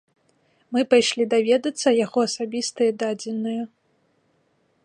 Мы пайшлі даведацца яго асабістыя дадзеныя.